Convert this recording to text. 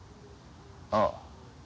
ああ。